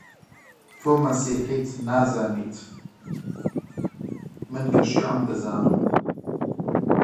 تۆ مەسیحیت نازانی، من کە شیعەم دەزانم: